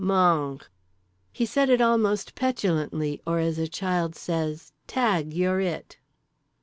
"Mang." He said it almost petulantly, or as a child says "Tag! You're it."